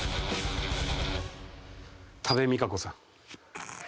多部未華子さん。